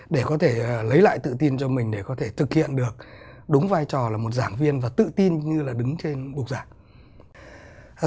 để có thể lấy lại tự tin cho mình để có thể thực hiện được đúng vai trò là một giảng viên và tự tin như là đứng trên bục giảng